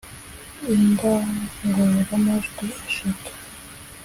indangurura majwi eshatu